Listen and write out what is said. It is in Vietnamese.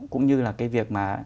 cũng như là cái việc mà